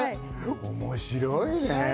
面白いね。